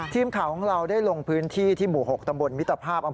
ทีมข่าวของเราได้ลงพื้นที่ที่หมู่๖ตำบลมิตรภาพ